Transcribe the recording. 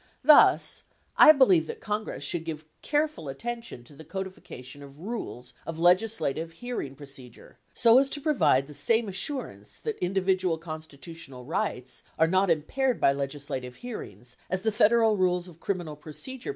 Thus, I believe that Congress should give careful attention to the codification of rules of legislative hearing procedure so as to provide the same assurance that individual constitu tional rights are not impaired by legislative hearings as the Federal Rules of Criminal Procedure provide in criminal proceedings.